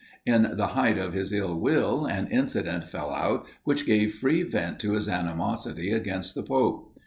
In the height of his ill will, an incident fell out which gave free vent to his animosity against the pope.